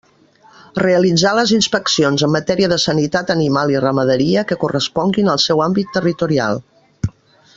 Realitzar les inspeccions en matèria de sanitat animal i ramaderia que corresponguin al seu àmbit territorial.